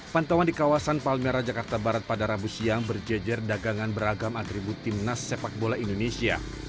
pantauan di kawasan palmera jakarta barat pada rabu siang berjejer dagangan beragam atribut timnas sepak bola indonesia